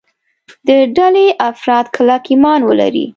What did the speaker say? د ډلې افراد کلک ایمان ولري.